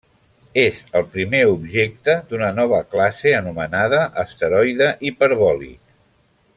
És el primer objecte d'una nova classe anomenada asteroide hiperbòlic.